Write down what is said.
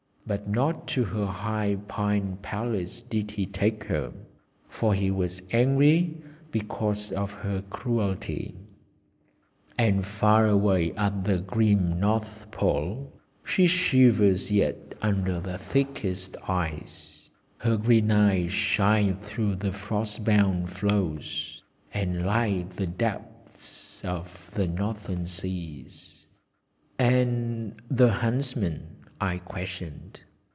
But not to her high pine palace did he take her, for he was angry because of her cruelty; and far away at the grim North Pole, she shivers yet under the thickest ice. Her green eyes shine through the frost bound floes, and light the depths of the Northern seas." "And the Huntsman?" I questioned.